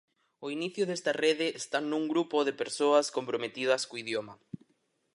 O inicio desta rede está nun grupo de persoas comprometidas co idioma.